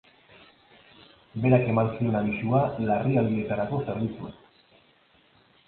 Berak eman zion abisua larrialdietarako zerbitzuei.